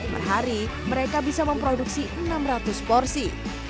per hari mereka bisa memproduksi enam ratus porsi